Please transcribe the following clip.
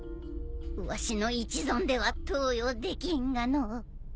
わしの一存では投与できんがのう。